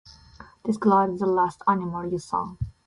Describe the last animal you saw.